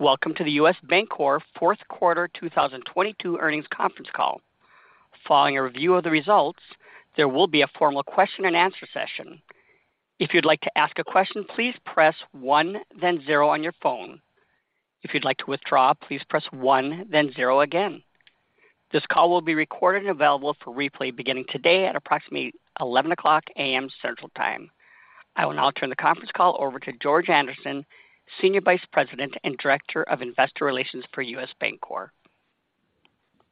Welcome to the U.S. Bancorp fourth quarter 2022 earnings conference call. Following a review of the results, there will be a formal question-and-answer session. If you'd like to ask a question, please press 1, then 0 on your phone. If you'd like to withdraw, please press 1, then 0 again. This call will be recorded and available for replay beginning today at approximately 11:00 A.M. Central Time. I will now turn the conference call over to George Anderson, Senior Vice President and Director of Investor Relations for U.S. Bancorp.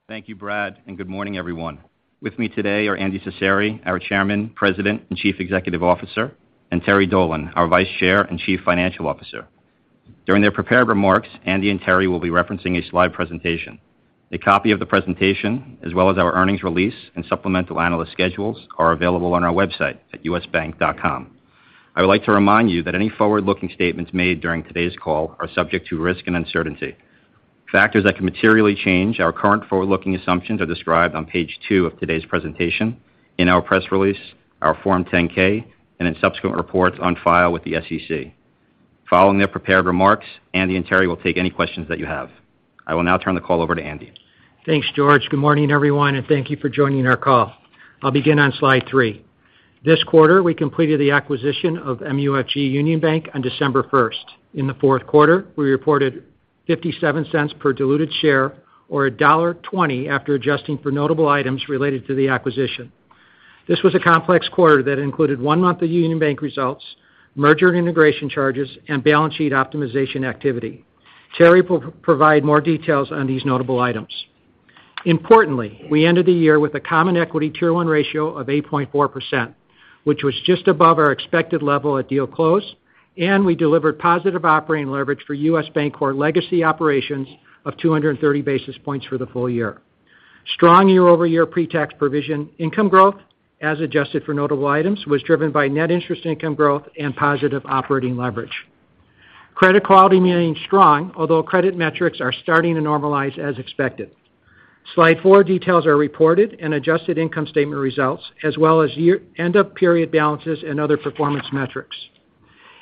Thank you, Brad, and good morning, everyone. With me today are Andy Cecere, our Chairman, President, and Chief Executive Officer, and Terry Dolan, our Vice Chair and Chief Financial Officer. During their prepared remarks, Andy and Terry will be referencing a slide presentation. A copy of the presentation, as well as our earnings release and supplemental analyst schedules, are available on our website at usbank.com. I would like to remind you that any forward-looking statements made during today's call are subject to risk and uncertainty. Factors that can materially change our current forward-looking assumptions are described on page two of today's presentation in our press release, our Form 10-K, and in subsequent reports on file with the SEC. Following their prepared remarks, Andy and Terry will take any questions that you have. I will now turn the call over to Andy. Thanks, George. Good morning, everyone, and thank you for joining our call. I'll begin on slide 3. This quarter, we completed the acquisition of MUFG Union Bank on December 1st. In the fourth quarter, we reported $0.57 per diluted share or $1.20 after adjusting for notable items related to the acquisition. This was a complex quarter that included 1 month of Union Bank results, merger and integration charges, and balance sheet optimization activity. Terry will provide more details on these notable items. Importantly, we ended the year with a Common Equity Tier 1 ratio of 8.4%, which was just above our expected level at deal close, and we delivered positive operating leverage for U.S. Bancorp legacy operations of 230 basis points for the full year. Strong year-over-year Pre-tax pre-provision income growth, as adjusted for notable items, was driven by net interest income growth and positive operating leverage. Credit quality remains strong, although credit metrics are starting to normalize as expected. Slide 4 details are reported and adjusted income statement results, as well as end-of-period balances and other performance metrics.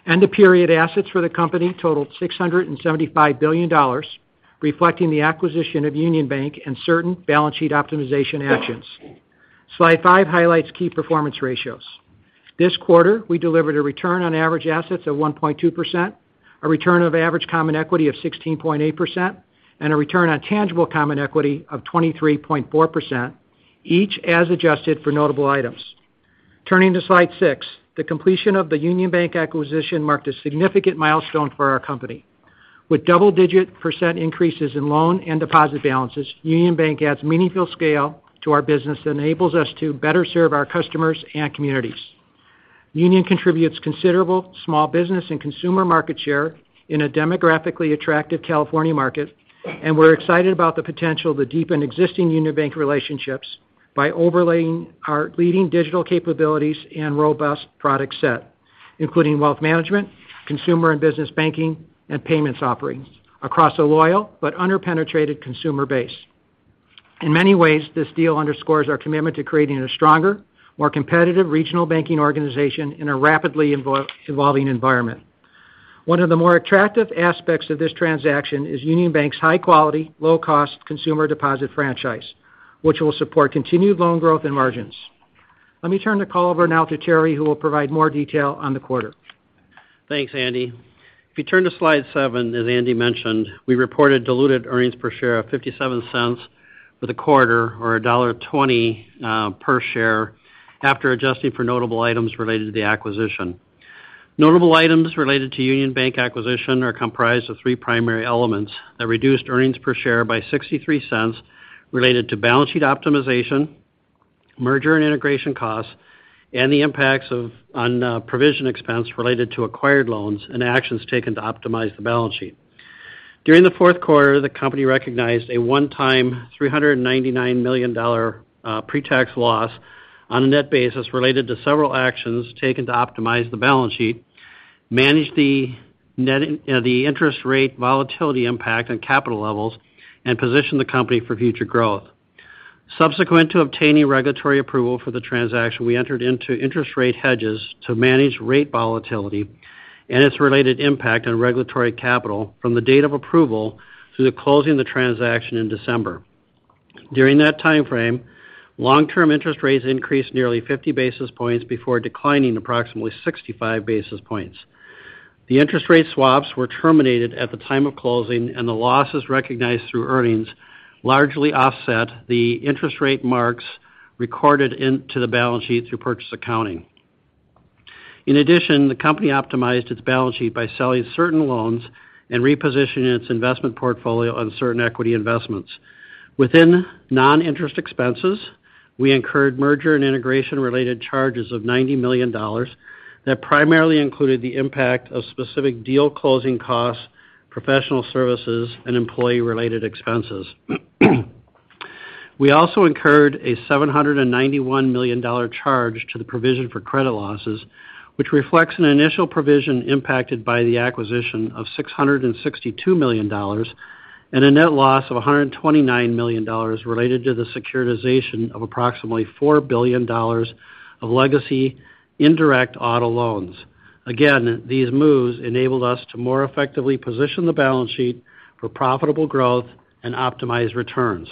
End-of-period assets for the company totaled $675 billion, reflecting the acquisition of Union Bank and certain balance sheet optimization actions. Slide 5 highlights key performance ratios. This quarter, we delivered a return on average assets of 1.2%, a return of average common equity of 16.8%, and a return on tangible common equity of 23.4%, each as adjusted for notable items. Turning to Slide 6, the completion of the Union Bank acquisition marked a significant milestone for our company. With double-digit % increases in loan and deposit balances, Union Bank adds meaningful scale to our business that enables us to better serve our customers and communities. Union contributes considerable small business and consumer market share in a demographically attractive California market, and we're excited about the potential to deepen existing Union Bank relationships by overlaying our leading digital capabilities and robust product set, including wealth management, consumer and business banking, and payments offerings across a loyal but under-penetrated consumer base. In many ways, this deal underscores our commitment to creating a stronger, more competitive regional banking organization in a rapidly evolving environment. One of the more attractive aspects of this transaction is Union Bank's high-quality, low-cost consumer deposit franchise, which will support continued loan growth and margins. Let me turn the call over now to Terry, who will provide more detail on the quarter. Thanks, Andy. If you turn to slide 7, as Andy mentioned, we reported diluted earnings per share of $0.57 for the quarter or $1.20 per share after adjusting for notable items related to the acquisition. Notable items related to Union Bank acquisition are comprised of 3 primary elements that reduced earnings per share by $0.63 related to balance sheet optimization, merger and integration costs, and the impacts of provision expense related to acquired loans and actions taken to optimize the balance sheet. During the fourth quarter, the company recognized a 1-time $399 million pre-tax loss on a net basis related to several actions taken to optimize the balance sheet, manage the interest rate volatility impact on capital levels, and position the company for future growth. Subsequent to obtaining regulatory approval for the transaction, we entered into interest rate hedges to manage rate volatility and its related impact on regulatory capital from the date of approval through the closing the transaction in December. During that timeframe, long-term interest rates increased nearly 50 basis points before declining approximately 65 basis points. The interest rate swaps were terminated at the time of closing, and the losses recognized through earnings largely offset the interest rate marks recorded into the balance sheet through purchase accounting. In addition, the company optimized its balance sheet by selling certain loans and repositioning its investment portfolio on certain equity investments. Within non-interest expenses, we incurred merger and integration-related charges of $90 million that primarily included the impact of specific deal closing costs, professional services, and employee-related expenses. We also incurred a $791 million charge to the provision for credit losses, which reflects an initial provision impacted by the acquisition of $662 million. A net loss of $129 million related to the securitization of approximately $4 billion of legacy indirect auto loans. These moves enabled us to more effectively position the balance sheet for profitable growth and optimize returns.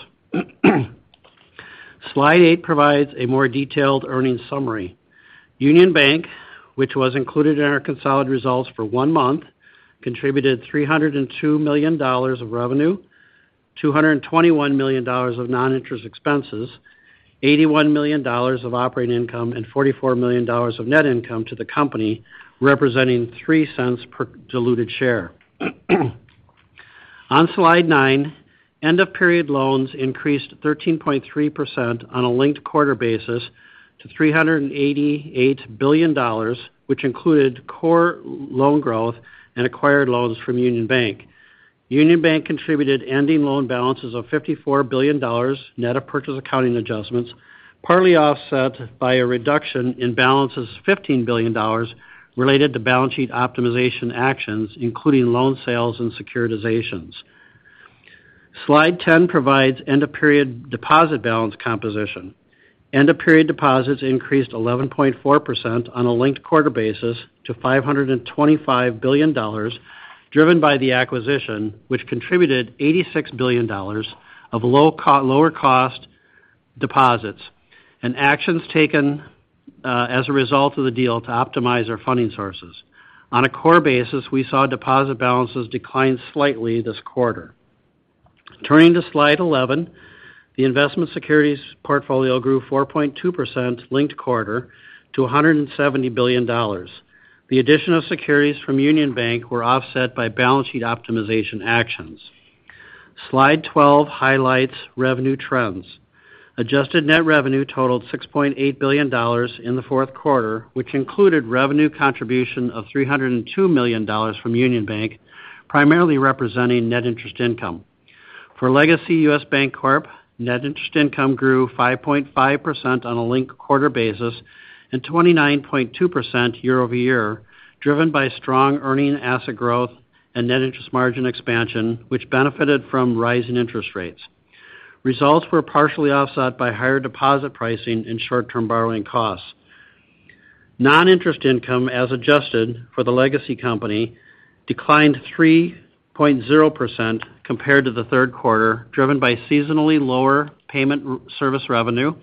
Slide 8 provides a more detailed earnings summary. Union Bank, which was included in our consolidated results for one month, contributed $302 million of revenue, $221 million of non-interest expenses, $81 million of operating income, and $44 million of net income to the company, representing $0.03 per diluted share. On Slide 9, end-of-period loans increased 13.3% on a linked quarter basis to $388 billion, which included core loan growth and acquired loans from Union Bank. Union Bank contributed ending loan balances of $54 billion, net of purchase accounting adjustments, partly offset by a reduction in balances, $15 billion, related to balance sheet optimization actions, including loan sales and securitizations. Slide 10 provides end-of-period deposit balance composition. End-of-period deposits increased 11.4% on a linked quarter basis to $525 billion, driven by the acquisition, which contributed $86 billion of lower cost deposits and actions taken as a result of the deal to optimize our funding sources. On a core basis, we saw deposit balances decline slightly this quarter. Turning to slide 11, the investment securities portfolio grew 4.2% linked quarter to $170 billion. The addition of securities from Union Bank were offset by balance sheet optimization actions. Slide 12 highlights revenue trends. Adjusted net revenue totaled $6.8 billion in the 4th quarter, which included revenue contribution of $302 million from Union Bank, primarily representing net interest income. For legacy U.S. Bancorp, net interest income grew 5.5% on a linked quarter basis and 29.2% year-over-year, driven by strong earning asset growth and net interest margin expansion, which benefited from rising interest rates. Results were partially offset by higher deposit pricing and short-term borrowing costs. Non-interest income, as adjuste d for the legacy company, declined 3.0% compared to the third quarter, driven by seasonally lower payment service revenue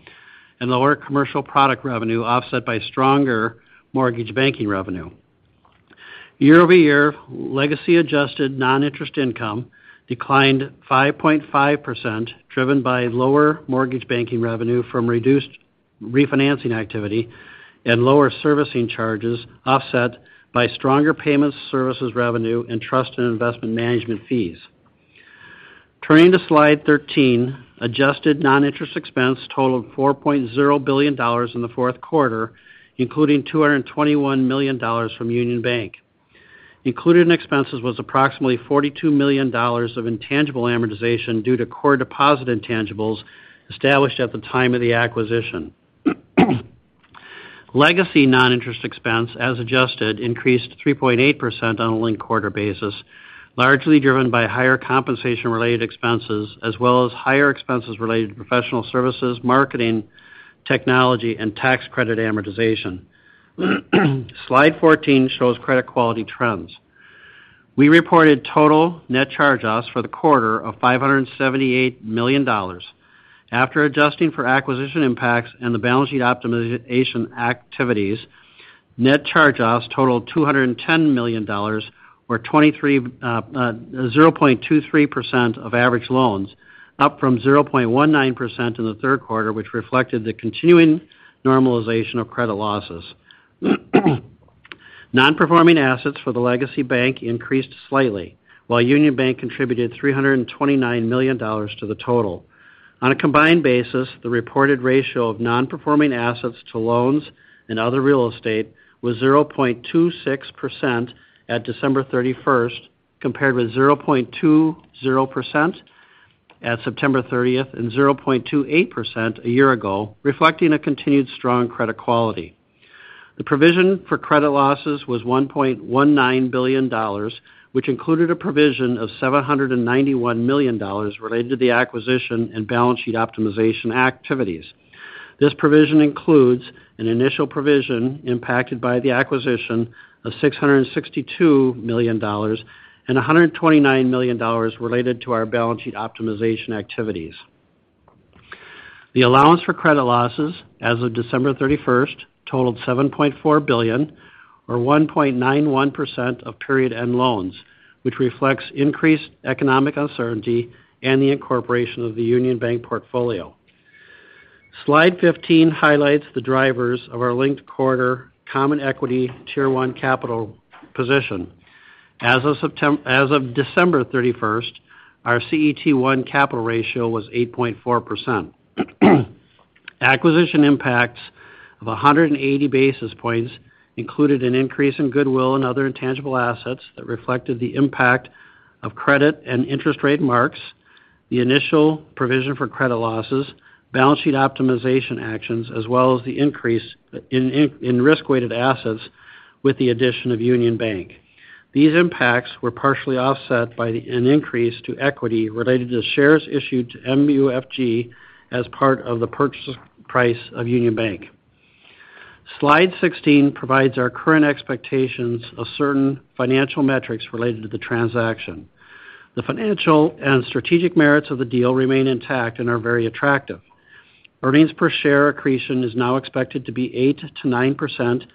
and lower commercial product revenue, offset by stronger mortgage banking revenue. Year-over-year, legacy adjusted non-interest income declined 5.5%, driven by lower mortgage banking revenue from reduced refinancing activity and lower servicing charges, offset by stronger payments services revenue and trust and investment management fees. Turning to slide 13, adjusted non-interest expense totaled $4.0 billion in the fourth quarter, including $221 million from Union Bank. Included in expenses was approximately $42 million of intangible amortization due to core deposit intangibles established at the time of the acquisition. Legacy non-interest expense, as adjusted, increased 3.8% on a linked quarter basis, largely driven by higher compensation-related expenses as well as higher expenses related to professional services, marketing, technology, and tax credit amortization. Slide 14 shows credit quality trends. We reported total net charge-offs for the quarter of $578 million. After adjusting for acquisition impacts and the balance sheet optimization activities, net charge-offs totaled $210 million or 0.23% of average loans, up from 0.19% in the third quarter, which reflected the continuing normalization of credit losses. Non-performing assets for the legacy bank increased slightly while Union Bank contributed $329 million to the total. On a combined basis, the repo rted ratio of non-performing assets to loans and other real estate was 0.26% at December 31st, compared with 0.20% at September 30th and 0.28% a year ago, reflecting a continued strong credit quality. The provision for credit losses was $1.19 billion, which included a provision of $791 million related to the acquisition and balance sheet optimization activities. This provision includes an initial provision impacted by the acquisition of $662 million and $129 million related to our balance sheet optimization activities. The allowance for credit losses as of December 31st totaled $7.4 billion or 1.91% of period end loans, which reflects increased economic uncertainty and the incorporation of the Union Bank portfolio. Slide 15 highlights the drivers of our linked quarter Common Equity Tier 1 capital position. As of December 31st, our CET1 capital ratio was 8.4%. Acquisition impacts of 180 basis points included an increase in goodwill and other intangible assets that reflected the impact of credit and interest rate marks. The initial provision for credit losses, balance sheet optimization actions, as well as the increase in risk-weighted assets with the addition of Union Bank. These impacts were partially offset by an increase to equity related to shares issued to MUFG as part of the purchase price of Union Bank. Slide 16 provides our current expectations of certain financial metrics related to the transaction. The financial and strategic merits of the deal remain intact and are very attractive. Earnings per share accretion is now expected to be 8%-9%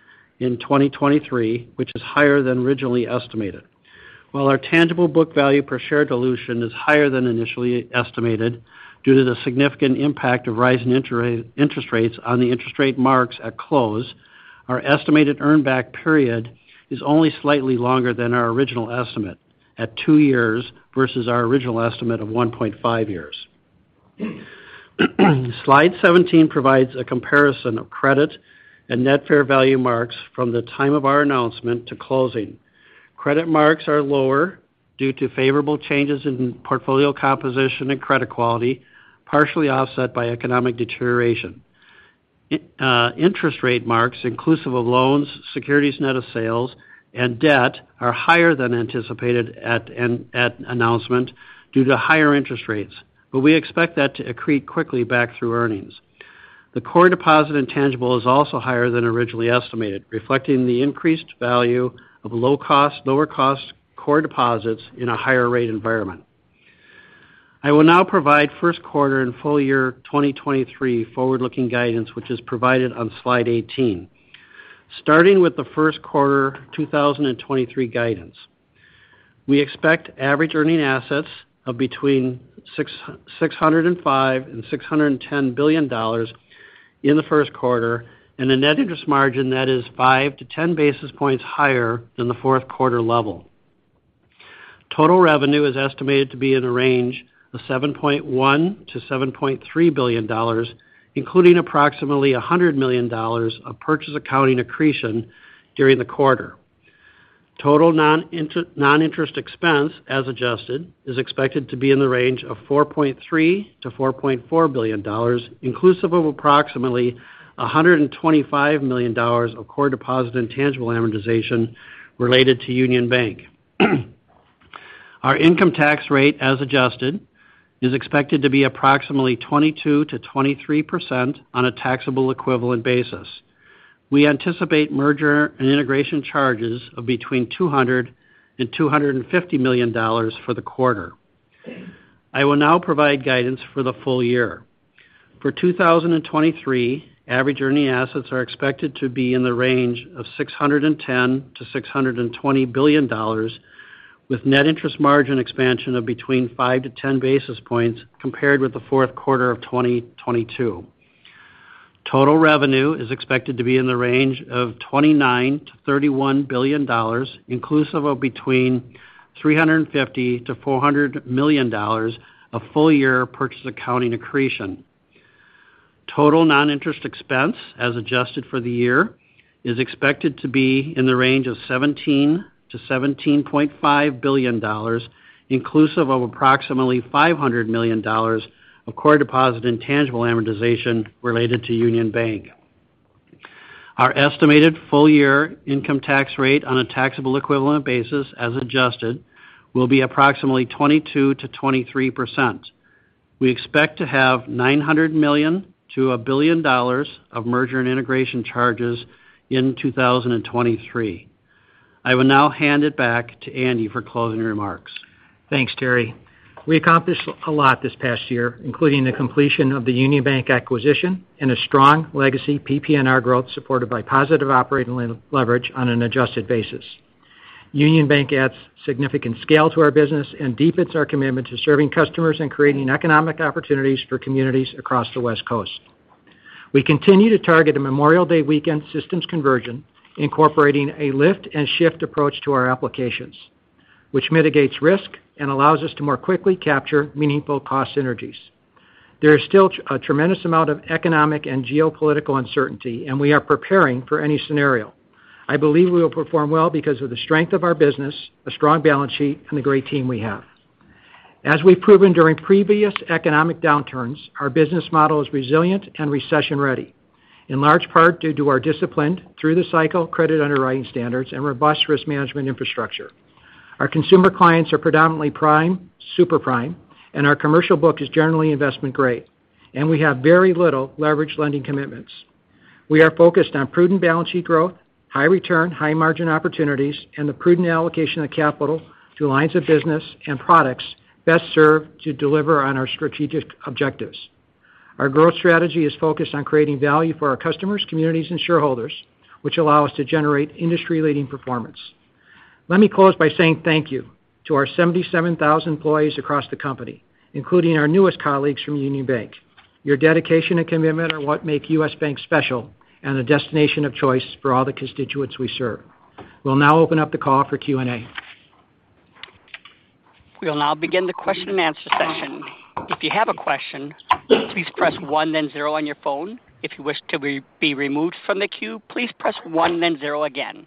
in 2023, which is higher than originally estimated. While our tangible book value per share dilution is higher than initially estimated due to the significant impact of rising interest rates on the interest rate marks at close, our estimated earn back period is only slightly longer than our original estimate at 2 years versus our original estimate of 1.5 years. Slide 17 provides a comparison of credit and net fair value marks from the time of our announcement to closing. Credit marks are lower due to favorable changes in portfolio composition and credit quality, partially offset by economic deterioration. Interest rate marks inclusive of loans, securities net of sales, and debt are higher than anticipated at announcement due to higher interest rates. We expect that to accrete quickly back through earnings. The core deposit intangible is also higher than originally estimated, reflecting the increased value of low cost, lower cost core deposits in a higher rate environment. I will now provide first quarter and full year 2023 forward-looking guidance, which is provided on slide 18. Starting with the first quarter 2023 guidance. We expect average earning assets of between 605 and $610 billion in the first quarter, and a net interest margin that is 5 to 10 basis points higher than the fourth quarter level. Total revenue is estimated to be in a range of $7.1 billion-$7.3 billion, including approximately $100 million of purchase accounting accretion during the quarter. Total non-interest expense, as adjusted, is expected to be in the range of $4.3 billion-$4.4 billion, inclusive of approximately $125 million of core deposit intangible amortization related to Union Bank. Our income tax rate, as adjusted, is expected to be approximately 22%-23% on a taxable equivalent basis. We anticipate merger and integration charges of between $200 million-$250 million for the quarter. I will now provide guidance for the full year. For 2023, average earning assets are expected to be in the range of $610 billion-$620 billion, with net interest margin expansion of between 5-10 basis points compared with the fourth quarter of 2022. Total revenue is expected to be in the range of $29 billion-$31 billion, inclusive of between $350 million-$400 million of full year purchase accounting accretion. Total non-interest expense as adjusted for the year is expected to be in the range of $17 billion-$17.5 billion, inclusive of approximately $500 million of core deposit intangible amortization related to Union Bank. Our estimated full year income tax rate on a taxable equivalent basis as adjusted will be approximately 22%-23%. We expect to have $900 million-$1 billion of merger and integration charges in 2023. I will now hand it back to Andy for closing remarks. Thanks, Terry. We accomplished a lot this past year, including the completion of the Union Bank acquisition and a strong legacy PPNR growth supported by positive operating leverage on an adjusted basis. Union Bank adds significant scale to our business and deepens our commitment to serving customers and creating economic opportunities for communities across the West Coast. We continue to target a Memorial Day weekend systems conversion, incorporating a lift and shift approach to our applications, which mitigates risk and allows us to more quickly capture meaningful cost synergies. There is still a tremendous amount of economic and geopolitical uncertainty, and we are preparing for any scenario. I believe we will perform well because of the strength of our business, a strong balance sheet, and the great team we have. As we've proven during previous economic downturns, our business model is resilient and recession-ready, in large part due to our disciplined through the cycle credit underwriting standards and robust risk management infrastructure. Our consumer clients are predominantly prime, super prime, and our commercial book is generally investment grade, and we have very little leverage lending commitments. We are focused on prudent balance sheet growth, high return, high margin opportunities, and the prudent allocation of capital to lines of business and products best served to deliver on our strategic objectives. Our growth strategy is focused on creating value for our customers, communities, and shareholders, which allow us to generate industry-leading performance. Let me close by saying thank you to our 77,000 employees across the company, including our newest colleagues from Union Bank. Your dedication and commitment are what make U.S. bank special and a destination of choice for all the constituents we serve. We'll now open up the call for Q&A. We will now begin the question and answer session. If you have a question, please press 1 then 0 on your phone. If you wish to be removed from the queue, please press 1 then 0 again.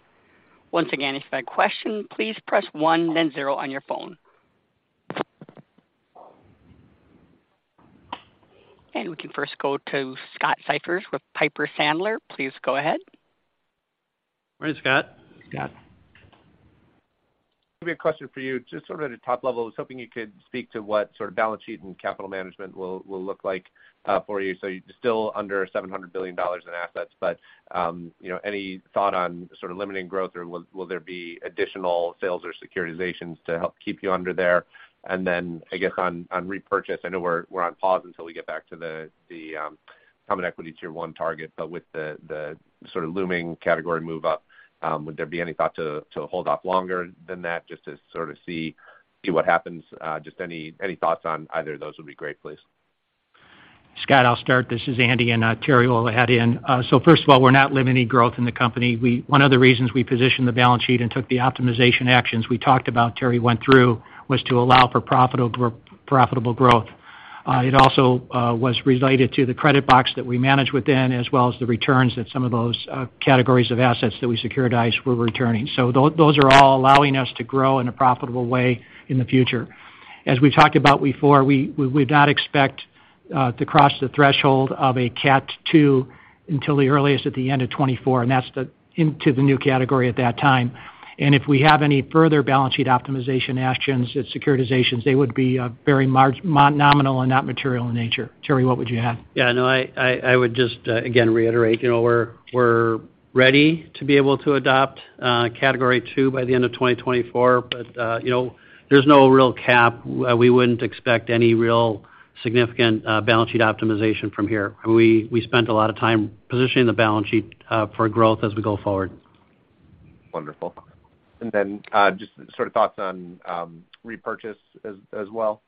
Once again, if you have a question, please press 1 then 0 on your phone. We can first go to Scott Siefers with Piper Sandler. Please go ahead. Morning, Scott. Scott. Give you a question for you. Just sort of at a top level, I was hoping you could speak to what sort of balance sheet and capital management will look like for you. You're still under $700 billion in assets, but, you know, any thought on sort of limiting growth or will there be additional sales or securitizations to help keep you under there? I guess on repurchase, I know we're on pause until we get back to the Common Equity Tier 1 target, but with the sort of looming category move up, would there be any thought to hold off longer than that just to sort of see what happens? Just any thoughts on either of those would be great, please. Scott, I'll start. This is Andy, and Terry will add in. First of all, we're not limiting any growth in the company. One of the reasons we positioned the balance sheet and took the optimization actions we talked about, Terry went through, was to allow for profitable growth. It also was related to the credit box that we manage within, as well as the returns that some of those categories of assets that we securitize were returning. Those are all allowing us to grow in a profitable way in the future. As we've talked about before, we would not expect to cross the threshold of a Category II until the earliest at the end of 2024, that's the into the new category at that time. If we have any further balance sheet optimization actions and securitizations, they would be very nominal and not material in nature. Terry, what would you add? Yeah, no, I would just again reiterate, you know, we're ready to be able to adopt Category II by the end of 2024. You know, there's no real cap. We wouldn't expect any real significant balance sheet optimization from here. We spent a lot of time positioning the balance sheet for growth as we go forward. Wonderful. Just sort of thoughts on repurchase as well.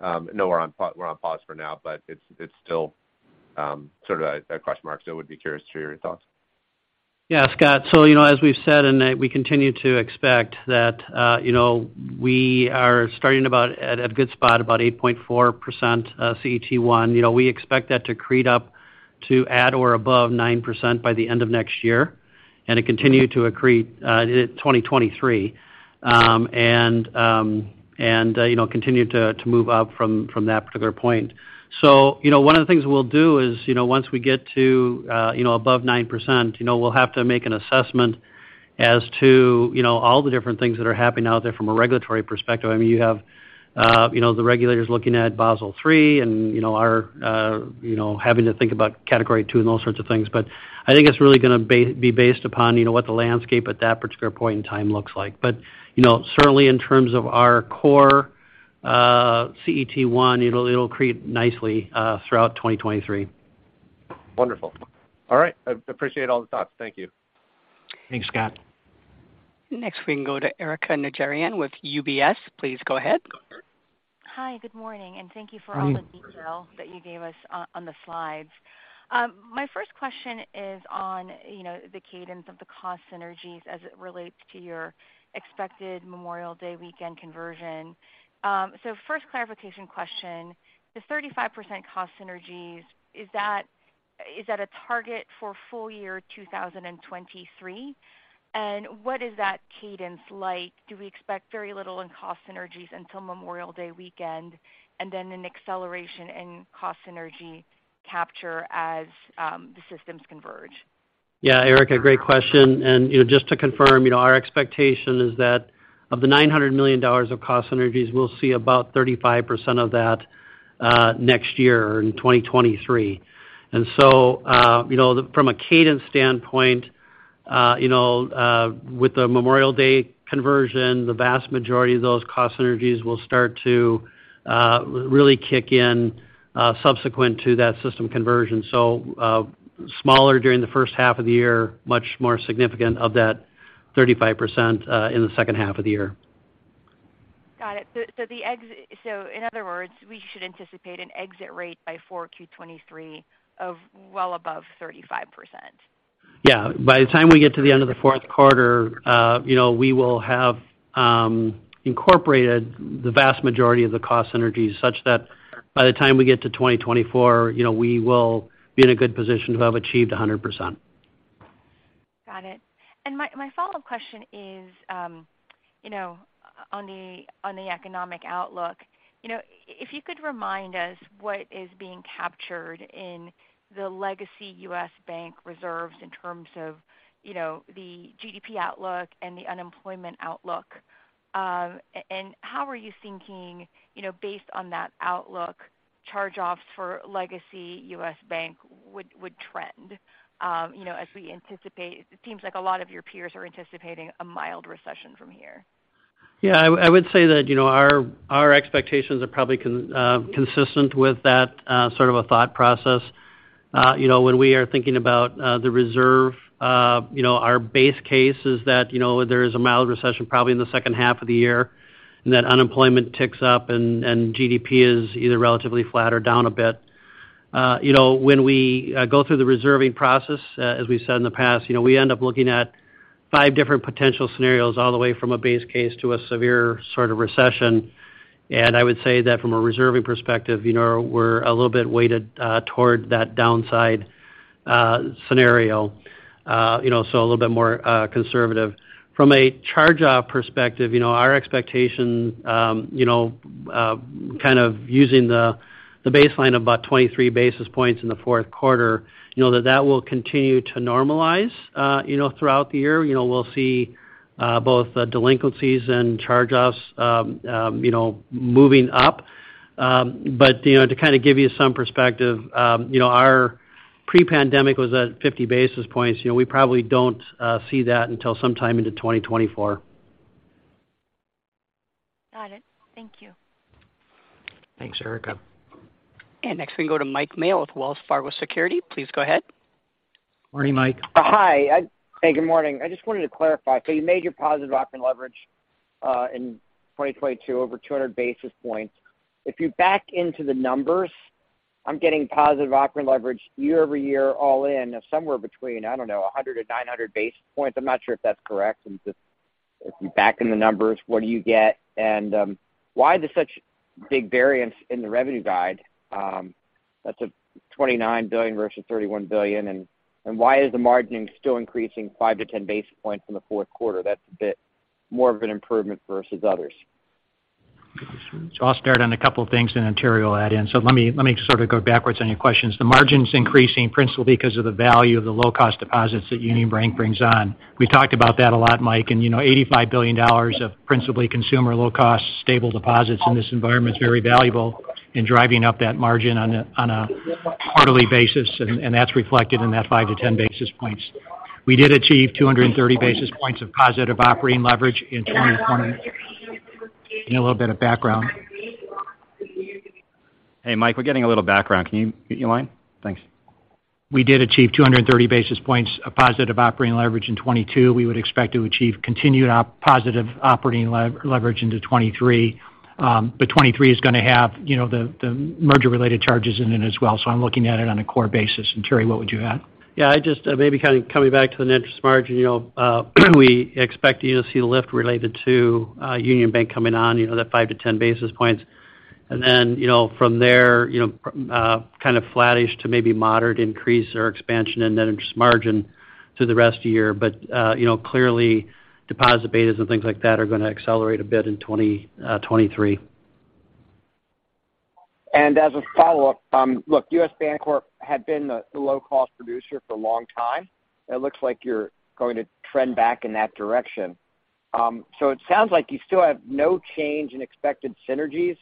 I know we're on pause for now, but it's still, sort of a question mark. Would be curious to hear your thoughts. Yeah, Scott. you know, as we've said, and we continue to expect that, you know, we are starting about at a good spot, about 8.4% CET1. You know, we expect that to accrete up to at or above 9% by the end of next year and to continue to accrete in 2023. you know, continue to move up from that particular point. you know, one of the things we'll do is, you know, once we get to, you know, above 9%, you know, we'll have to make an assessment as to, you know, all the different things that are happening out there from a regulatory perspective. I mean, you have, you know, the regulators looking at Basel III and, you know, our, you know, having to think about Category II and those sorts of things. I think it's really gonna be based upon, you know, what the landscape at that particular point in time looks like. you know, certainly in terms of our core, CET1, it'll accrete nicely, throughout 2023. Wonderful. All right. I appreciate all the thoughts. Thank you. Thanks, Scott. Next, we can go to Erika Najarian with UBS. Please go ahead. Hi. Good morning, and thank you for. Hi. the detail that you gave us on the slides. My first question is on, you know, the cadence of the cost synergies as it relates to your expected Memorial Day weekend conversion. First clarification question, the 35% cost synergies, is that a target for full year 2023? What is that cadence like? Do we expect very little in cost synergies until Memorial Day weekend and then an acceleration in cost synergy capture as the systems converge? Yeah, Erika, great question. you know, just to confirm, you know, our expectation is that of the $900 million of cost synergies, we'll see about 35% of that next year in 2023. you know, from a cadence standpoint, you know, with the Memorial Day conversion, the vast majority of those cost synergies will start to really kick in subsequent to that system conversion. smaller during the first half of the year, much more significant of that 35% in the second half of the year. Got it. In other words, we should anticipate an exit rate by 4Q 2023 of well above 35%? By the time we get to the end of the fourth quarter, you know, we will have incorporated the vast majority of the cost synergies such that by the time we get to 2024, you know, we will be in a good position to have achieved 100%. Got it. My, my follow-up question is, you know, on the economic outlook. You know, if you could remind us what is being captured in the legacy U.S. Bank reserves in terms of, you know, the GDP outlook and the unemployment outlook. And how are you thinking, you know, based on that outlook, charge-offs for legacy U.S. Bank would trend, you know, as we anticipate, it seems like a lot of your peers are anticipating a mild recession from here? Yeah, I would say that, you know, our expectations are probably consistent with that sort of a thought process. You know, when we are thinking about the reserve, you know, our base case is that, you know, there is a mild recession probably in the second half of the year, and that unemployment ticks up and GDP is either relatively flat or down a bit. You know, when we go through the reserving process, as we said in the past, you know, we end up looking at five different potential scenarios all the way from a base case to a severe sort of recession. I would say that from a reserving perspective, you know, we're a little bit weighted toward that downside scenario, you know, so a little bit more conservative. From a charge-off perspective, you know, our expectation, you know, kind of using the baseline of about 23 basis points in the fourth quarter, you know, that will continue to normalize, you know, throughout the year. You know, we'll see both the delinquencies and charge-offs, you know, moving up. You know, to kind of give you some perspective, you know, our pre-pandemic was at 50 basis points. You know, we probably don't see that until sometime into 2024. Got it. Thank you. Thanks, Erika. Next we go to Mike Mayo with Wells Fargo Securities. Please go ahead. Morning, Mike. Hi. Hey, good morning. I just wanted to clarify. You made your positive operating leverage in 2022 over 200 basis points. If you back into the numbers, I'm getting positive operating leverage year-over-year all in somewhere between, I don't know, 100 or 900 basis points. I'm not sure if that's correct. If you back in the numbers, what do you get? Why there's such big variance in the revenue guide? That's a $29 billion versus $31 billion. Why is the margining still increasing 5 to 10 basis points from the fourth quarter? That's a bit more of an improvement versus others. I'll start on a couple of things, and Terry will add in. Let me sort of go backwards on your questions. The margin's increasing principally because of the value of the low-cost deposits that Union Bank brings on. We talked about that a lot, Mike. You know, $85 billion of principally consumer low-cost stable deposits in this environment is very valuable in driving up that margin on a quarterly basis, and that's reflected in that 5-10 basis points. We did achieve 230 basis points of positive operating leverage in 2020. Need a little bit of background. Hey, Mike, we're getting a little background. Can you mute your line? Thanks. We did achieve 230 basis points of positive operating leverage in 2022. We would expect to achieve continued positive operating leverage into 2023. 2023 is gonna have, you know, the merger related charges in it as well. I'm looking at it on a core basis. Terry, what would you add? Yeah, I just, maybe kind of coming back to the net interest margin, you know, we expect to either see the lift related to Union Bank coming on, you know, that 5 to 10 basis points. You know, kind of flattish to maybe moderate increase or expansion in net interest margin through the rest of the year. You know, clearly deposit betas and things like that are gonna accelerate a bit in 2023. As a follow-up, look, U.S. Bancorp had been the low-cost producer for a long time. It looks like you're going to trend back in that direction. It sounds like you still have no change in expected synergies.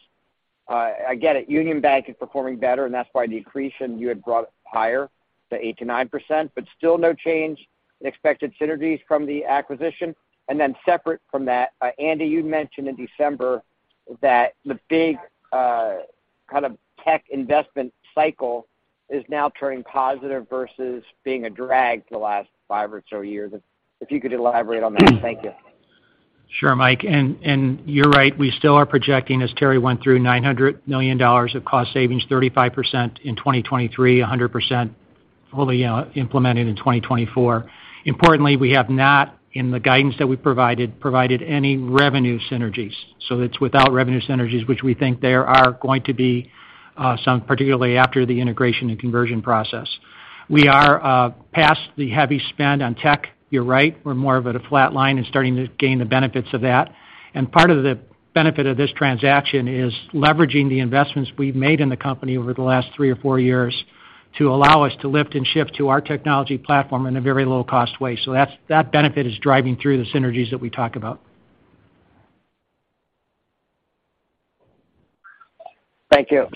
I get it. Union Bank is performing better, and that's why accretion you had brought higher to 8%-9%, but still no change in expected synergies from the acquisition. Separate from that, Andy, you'd mentioned in December that the big kind of tech investment cycle is now turning positive versus being a drag for the last five or so years. If you could elaborate on that. Thank you. Sure, Mike. You're right, we still are projecting, as Terry went through, $900 million of cost savings, 35% in 2023, 100% fully implemented in 2024. Importantly, we have not, in the guidance that we provided any revenue synergies. It's without revenue synergies, which we think there are going to be some, particularly after the integration and conversion process. We are past the heavy spend on tech. You're right. We're more of at a flat line and starting to gain the benefits of that. Part of the benefit of this transaction is leveraging the investments we've made in the company over the last three or four years to allow us to lift and shift to our technology platform in a very low-cost way. That benefit is driving through the synergies that we talk about. Thank you.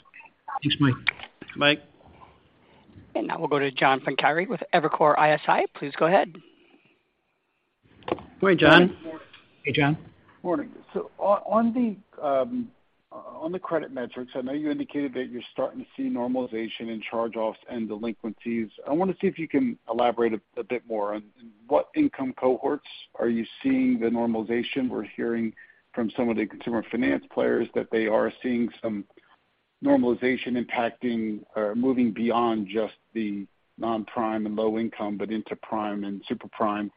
Thanks, Mike. Mike. Now we'll go to John Pancari with Evercore ISI. Please go ahead. Morning, John. Hey, John. Morning. On the credit metrics, I know you indicated that you're starting to see normalization in charge-offs and delinquencies. I want to see if you can elaborate a bit more on what income cohorts are you seeing the normalization? We're hearing from some of the consumer finance players that they are seeing some normalization impacting or moving beyond just the non-prime and low income, but into prime and super prime.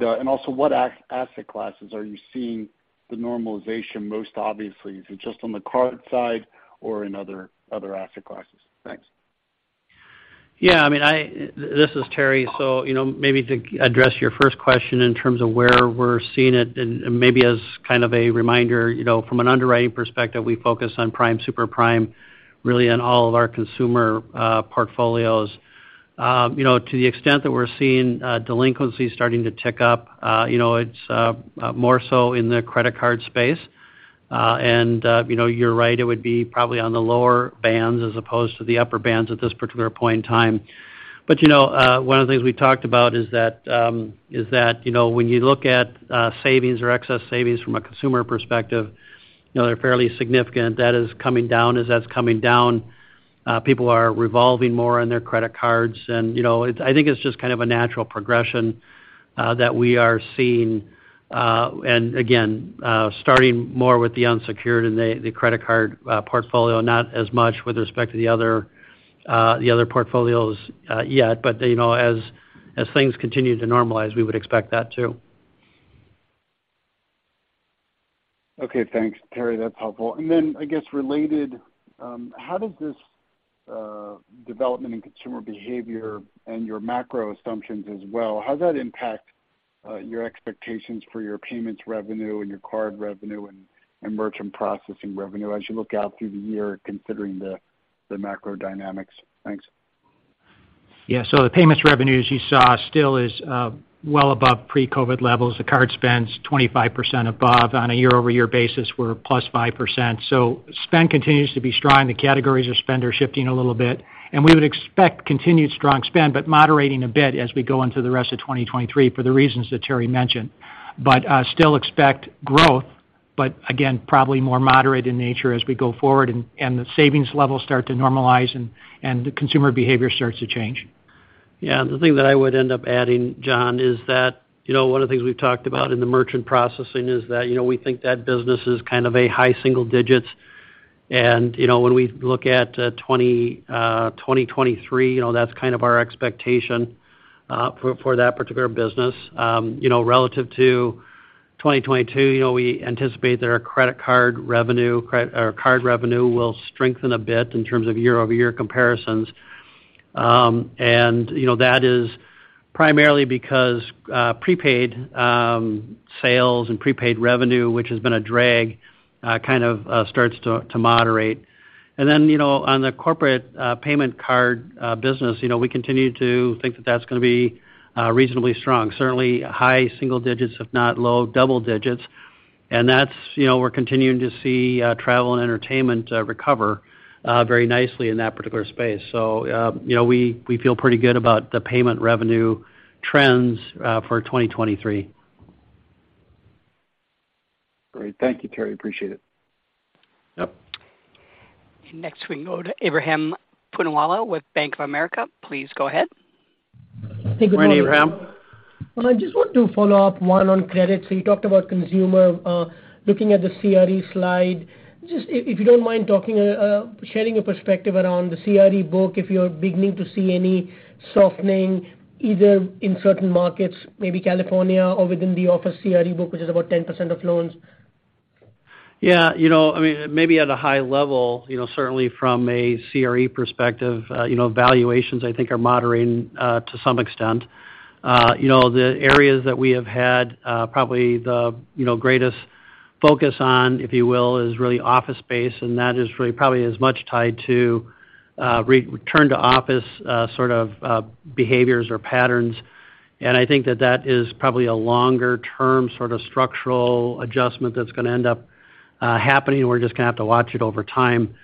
Also what asset classes are you seeing the normalization most obviously? Is it just on the card side or in other asset classes? Thanks. Yeah, I mean, this is Terry Dolan. you know, maybe to address your first question in terms of where we're seeing it, and maybe as kind of a reminder, you know, from an underwriting perspective, we focus on prime, super prime, really on all of our consumer portfolios. you know, to the extent that we're seeing delinquencies starting to tick up, you know, it's more so in the credit card space. you know, you're right, it would be probably on the lower bands as opposed to the upper bands at this particular point in time. you know, one of the things we talked about is that is that, you know, when you look at savings or excess savings from a consumer perspective, you know, they're fairly significant. Debt is coming down. As that's coming down, people are revolving more on their credit cards. You know, I think it's just kind of a natural progression that we are seeing, and again, starting more with the unsecured and the credit card portfolio, not as much with respect to the other, the other portfolios, yet. You know, as things continue to normalize, we would expect that too. Okay. Thanks, Terry. That's helpful. I guess, related, how does this development in consumer behavior and your macro assumptions as well, how does that impact your expectations for your payments revenue and your card revenue and merchant processing revenue as you look out through the year considering the macro dynamics? Thanks. Yeah. The payments revenue, as you saw, still is well above pre-COVID levels. The card spend's 25% above. On a year-over-year basis, we're +5%. Spend continues to be strong. The categories of spend are shifting a little bit. We would expect continued strong spend, but moderating a bit as we go into the rest of 2023 for the reasons that Terry mentioned. Still expect growth, but again, probably more moderate in nature as we go forward and the savings levels start to normalize and the consumer behavior starts to change. Yeah. The thing that I would end up adding, John, is that, you know, one of the things we've talked about in the merchant processing is that, you know, we think that business is kind of a high single digits. You know, when we look at 2023, you know, that's kind of our expectation for that particular business. You know, relative to 2022, you know, we anticipate that our credit card revenue or card revenue will strengthen a bit in terms of year-over-year comparisons. You know, on the corporate payment card business, you know, we continue to think that that's gonna be reasonably strong. Certainly high single digits, if not low double digits. That's, you know, we're continuing to see, travel and entertainment, recover, very nicely in that particular space. You know, we feel pretty good about the payment revenue trends, for 2023. Great. Thank you, Terry. Appreciate it. Yep. Next, we go to Ebrahim Poonawala with Bank of America. Please go ahead. Morning, Ebrahim. I just want to follow up, one, on credit. You talked about consumer, looking at the CRE slide. Just if you don't mind talking, sharing your perspective around the CRE book, if you're beginning to see any softening either in certain markets, maybe California or within the office CRE book, which is about 10% of loans. Yeah. You know, I mean, maybe at a high level, you know, certainly from a CRE perspective, you know, valuations, I think, are moderating to some extent. You know, the areas that we have had, probably the, you know, greatest focus on, if you will, is really office space, and that is really probably as much tied to re-return to office, sort of, behaviors or patterns. I think that that is probably a longer-term sort of structural adjustment that's gonna end up happening. We're just gonna have to watch it over time.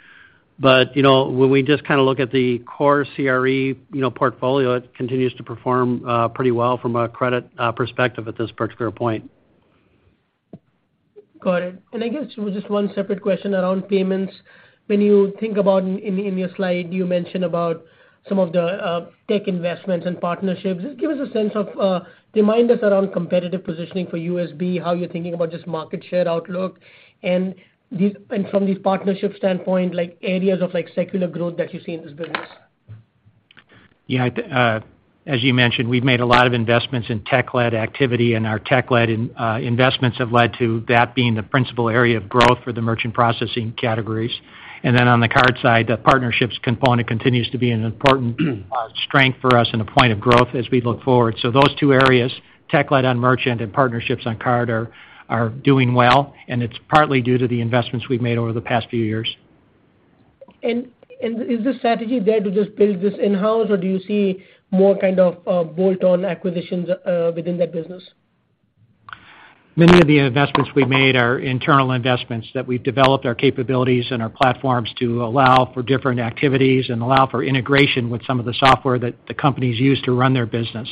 You know, when we just kind of look at the core CRE, you know, portfolio, it continues to perform pretty well from a credit perspective at this particular point. Got it. I guess just one separate question around payments. When you think about in your slide, you mentioned about some of the tech investments and partnerships. Just give us a sense of, remind us around competitive positioning for USB, how you're thinking about just market share outlook and from these partnership standpoint, like, areas of, like, secular growth that you see in this business? Yeah. As you mentioned, we've made a lot of investments in tech-led activity, and our tech-led investments have led to that being the principal area of growth for the merchant processing categories. On the card side, the partnerships component continues to be an important strength for us and a point of growth as we look forward. Those two areas, tech-led on merchant and partnerships on card are doing well, and it's partly due to the investments we've made over the past few years. Is the strategy there to just build this in-house, or do you see more kind of, bolt-on acquisitions, within that business? Many of the investments we've made are internal investments that we've developed our capabilities and our platforms to allow for different activities and allow for integration with some of the software that the companies use to run their business.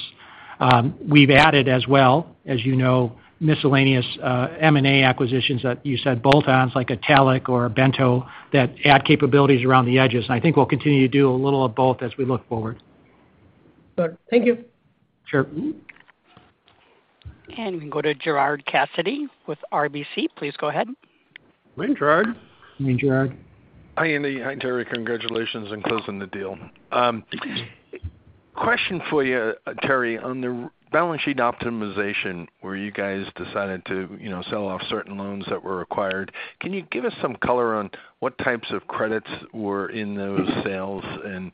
We've added as well, as you know, miscellaneous M&A acquisitions that you said bolt-ons like Talech or Bento for Business that add capabilities around the edges. I think we'll continue to do a little of both as we look forward. Good. Thank you. Sure. We go to Gerard Cassidy with RBC. Please go ahead. Morning, Gerard. Morning, Gerard. Hi, Andy. Hi, Terry. Congratulations on closing the deal. Question for you, Terry. On the balance sheet optimization where you guys decided to, you know, sell off certain loans that were acquired, can you give us some color on what types of credits were in those sales, and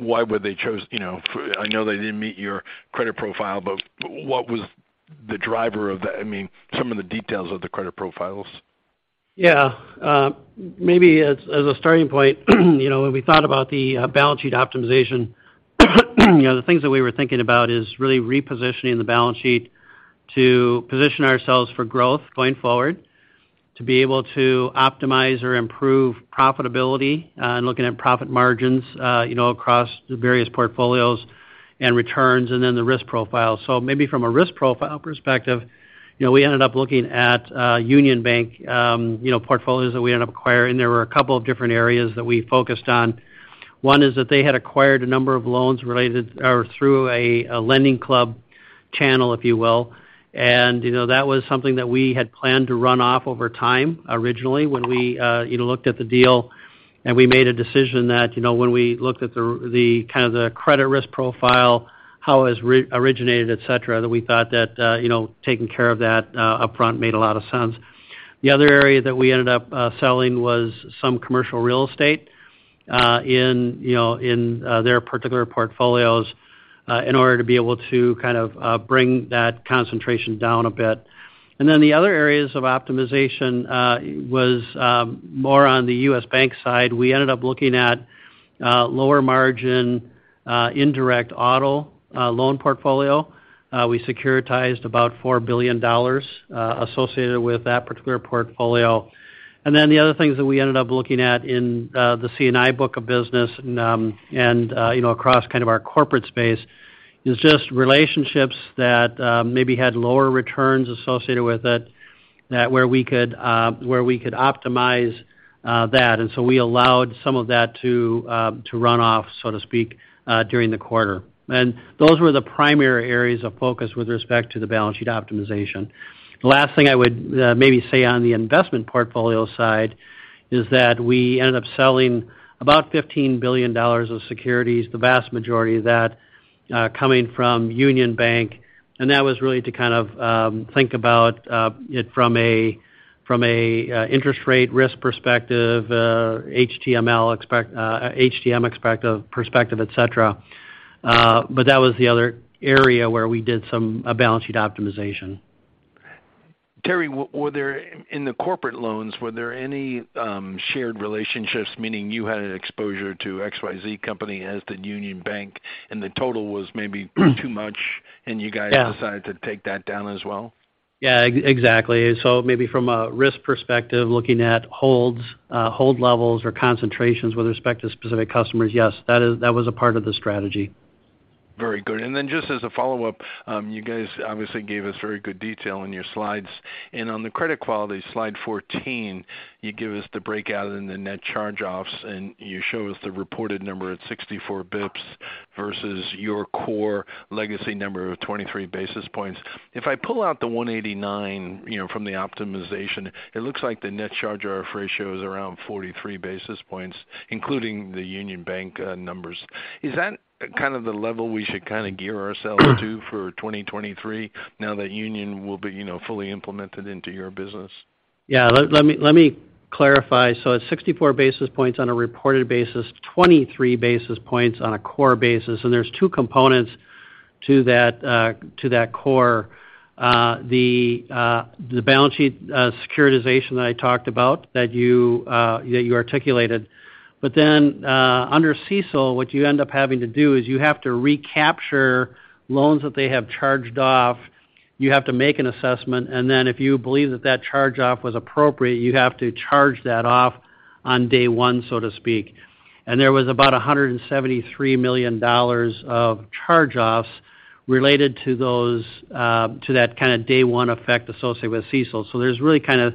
why would they chose? You know, I know they didn't meet your credit profile, but what was the driver of that? I mean, some of the details of the credit profiles. Yeah. maybe as a starting point, you know, when we thought about the balance sheet optimization, you know, the things that we were thinking about is really repositioning the balance sheet to position ourselves for growth going forward, to be able to optimize or improve profitability, and looking at profit margins, you know, across the various portfolios and returns, and then the risk profile. maybe from a risk profile perspective, you know, we ended up looking at Union Bank, you know, portfolios that we ended up acquiring. There were a couple of different areas that we focused on. One is that they had acquired a number of loans related or through a LendingClub channel, if you will. You know, that was something that we had planned to run off over time originally when we, you know, looked at the deal. We made a decision that, you know, when we looked at the kind of the credit risk profile, how it was re-originated, et cetera, that we thought that, you know, taking care of that upfront made a lot of sense. The other area that we ended up selling was some commercial real estate in, you know, in their particular portfolios in order to be able to kind of bring that concentration down a bit. The other areas of optimization was more on the U.S. Bank side. We ended up looking at lower margin indirect auto loan portfolio. We securitized about $4 billion associated with that particular portfolio. The other things that we ended up looking at in the C&I book of business and, you know, across kind of our corporate space is just relationships that maybe had lower returns associated with it, that where we could, where we could optimize that. So we allowed some of that to run off, so to speak, during the quarter. Those were the primary areas of focus with respect to the balance sheet optimization. The last thing I would maybe say on the investment portfolio side is that we ended up selling about $15 billion of securities, the vast majority of that coming from Union Bank. That was really to kind of think about it from a HTM perspective, et cetera. That was the other area where we did a balance sheet optimization. Terry, were there in the corporate loans, were there any shared relationships, meaning you had an exposure to XYZ company as did Union Bank, and the total was maybe too much and you guys? Yeah. decided to take that down as well? Yeah. Exactly. Maybe from a risk perspective, looking at holds, hold levels or concentrations with respect to specific customers, yes, that was a part of the strategy. Very good. Just as a follow-up, you guys obviously gave us very good detail in your slides. On the credit quality, slide 14, you give us the breakout in the net charge-offs, and you show us the reported number at 64 basis points versus your core legacy number of 23 basis points. If I pull out the 189 basis points, you know, from the optimization, it looks like the net charge-off ratio is around 43 basis points, including the Union Bank numbers. Is that kind of the level we should kind of gear ourselves to for 2023 now that Union will be, you know, fully implemented into your business? Yeah. Let me clarify. It's 64 basis points on a reported basis, 23 basis points on a core basis. There's two components to that core. The balance sheet securitization that I talked about that you articulated. Under CECL, what you end up having to do is you have to recapture loans that they have charged off. You have to make an assessment, and then if you believe that that charge off was appropriate, you have to charge that off on day one, so to speak. There was about $173 million of charge offs related to those, to that kind of day one effect associated with CECL. There's really kind of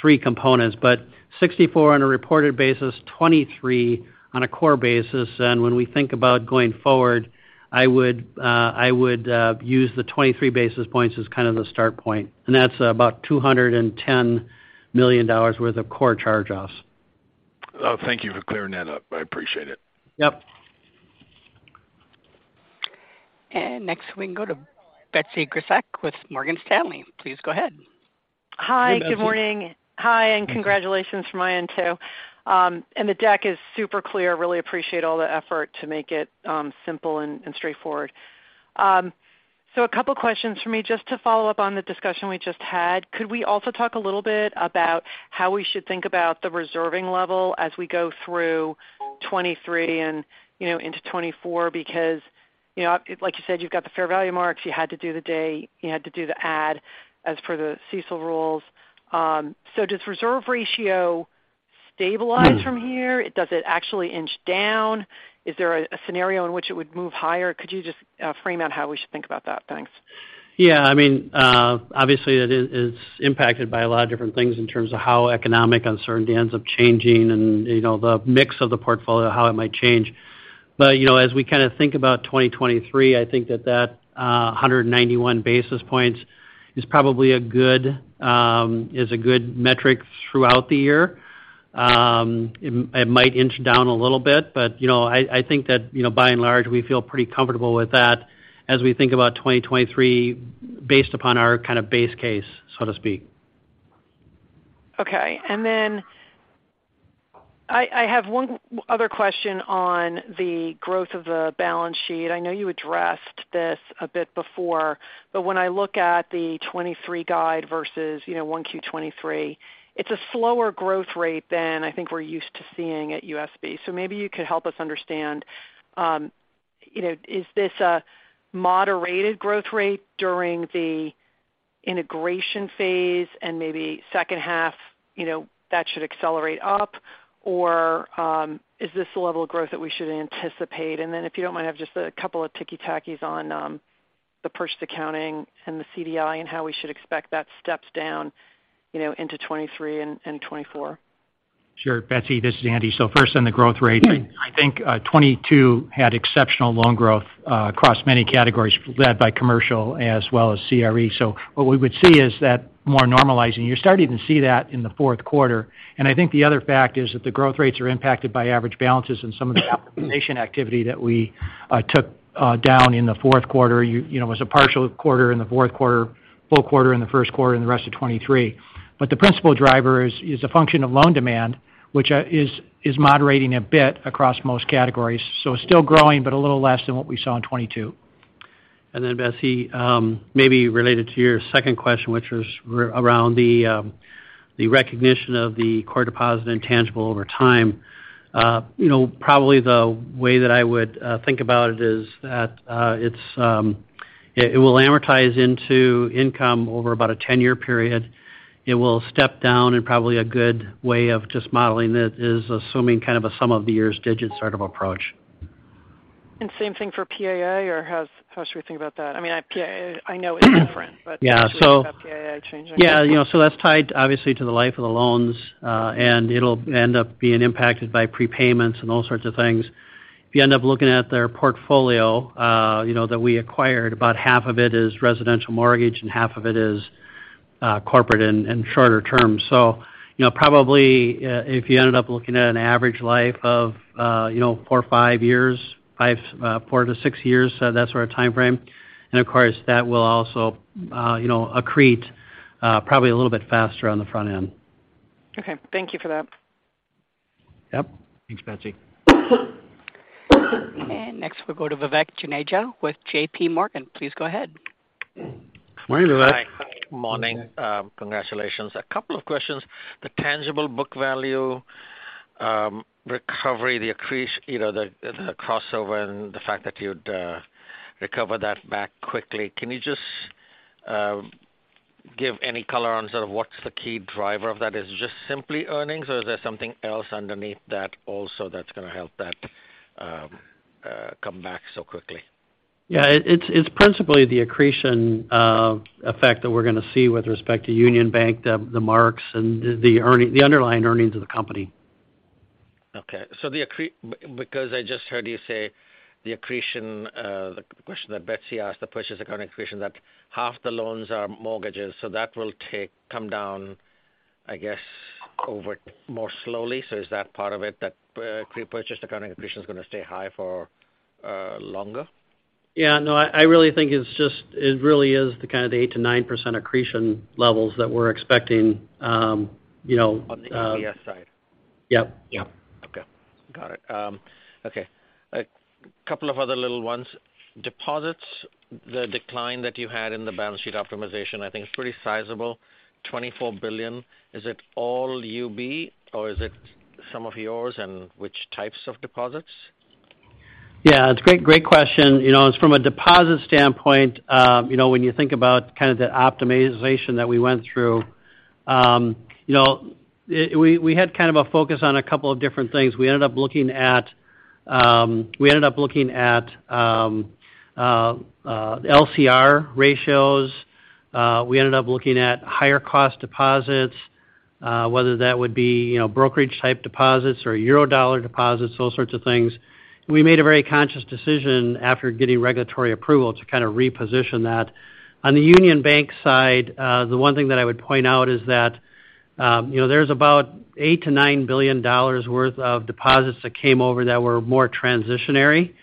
three components, but 64 on a reported basis, 23 on a core basis. When we think about going forward, I would use the 23 basis points as kind of the start point, and that's about $210 million worth of core charge-offs. Oh, thank you for clearing that up. I appreciate it. Yep. Next we can go to Betsy Graseck with Morgan Stanley. Please go ahead. Hi, Betsy. Hi, good morning. Hi, and congratulations from my end, too. The deck is super clear. Really appreciate all the effort to make it simple and straightforward. A couple questions for me. Just to follow up on the discussion we just had, could we also talk a little bit about how we should think about the reserving level as we go through 2023 and, you know, into 2024? You know, like you said, you've got the fair value marks. You had to do the add as per the CECL rules. Does reserve ratio stabilize from here? Does it actually inch down? Is there a scenario in which it would move higher? Could you just frame out how we should think about that? Thanks. Yeah. I mean, obviously it is impacted by a lot of different things in terms of how economic uncertainty ends up changing and, you know, the mix of the portfolio, how it might change. You know, as we kind of think about 2023, I think that that 191 basis points is probably a good is a good metric throughout the year. It might inch down a little bit, but, you know, I think that, you know, by and large, we feel pretty comfortable with that as we think about 2023 based upon our kind of base case, so to speak. Okay. I have one other question on the growth of the balance sheet. I know you addressed this a bit before, but when I look at the 2023 guide versus, you know, 1Q 2023, it's a slower growth rate than I think we're used to seeing at USB. Maybe you could help us understand, you know, is this a moderated growth rate during the integration phase and maybe second half, you know, that should accelerate up? Or is this the level of growth that we should anticipate? If you don't mind, have just a couple of ticky tackies on the purchase accounting and the CDI and how we should expect that steps down, you know, into 2023 and 2024. Sure, Betsy, this is Andy. First on the growth rate, I think 2022 had exceptional loan growth across many categories led by commercial as well as CRE. What we would see is that more normalizing. You're starting to see that in the fourth quarter. I think the other fact is that the growth rates are impacted by average balances and some of the nation activity that we took down in the fourth quarter. You know, it was a partial quarter in the fourth quarter, full quarter in the first quarter and the rest of 2023. The principal driver is a function of loan demand, which is moderating a bit across most categories. Still growing, but a little less than what we saw in 2022. Betsy, maybe related to your second question, which was around the recognition of the core deposit intangible over time. You know, probably the way that I would think about it is that it's, it will amortize into income over about a 10-year period. It will step down and probably a good way of just modeling it is assuming kind of a sum-of-the-years'-digits sort of approach. Same thing for PAA, or how should we think about that? I mean, PAA I know is different. Yeah. How should we think about PAA changing? Yeah, you know, that's tied obviously to the life of the loans, and it'll end up being impacted by prepayments and all sorts of things. If you end up looking at their portfolio, you know, that we acquired, about half of it is residential mortgage, and half of it is corporate and shorter term. You know, probably, if you ended up looking at an average life of, you know, four or five years, four to six years, that sort of timeframe. Of course, that will also, you know, accrete, probably a little bit faster on the front end. Okay, thank you for that. Yep. Thanks, Betsy. Next, we'll go to Vivek Juneja with JPMorgan. Please go ahead. Morning, Vivek. Hi. Morning. Congratulations. A couple of questions. The tangible book value, recovery, the accrete, you know, the crossover and the fact that you'd recover that back quickly. Can you just give any color on sort of what's the key driver of that? Is it just simply earnings, or is there something else underneath that also that's gonna help that come back so quickly? Yeah. It's principally the accretion effect that we're gonna see with respect to Union Bank, the marks and the underlying earnings of the company. Okay. Because I just heard you say the accretion, the question that Betsy asked, the purchase accounting accretion, that half the loans are mortgages, that will come down, I guess, over more slowly. Is that part of it, that pre-purchase accounting accretion is going to stay high for longer? Yeah, no, I really think it really is the kind of the 8% to 9% accretion levels that we're expecting, you know. On the EPS side. Yep. Yep. Okay. Got it. Okay. A couple of other little ones. Deposits, the decline that you had in the balance sheet optimization, I think it's pretty sizable, $24 billion. Is it all UB, or is it some of yours, and which types of deposits? Yeah, it's great question. You know, it's from a deposit standpoint, you know, when you think about kind of the optimization that we went through, you know, we had kind of a focus on a couple of different things. We ended up looking at LCR ratios. We ended up looking at higher cost deposits, whether that would be, you know, brokerage type deposits or Eurodollar deposits, those sorts of things. We made a very conscious decision after getting regulatory approval to kind of reposition that. On the Union Bank side, the one thing that I would point out is that, you know, there's about $8 billion-$9 billion worth of deposits that came over that were more transitionary.